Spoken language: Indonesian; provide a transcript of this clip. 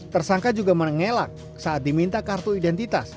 tersangka juga mengelak saat diminta kartu identitas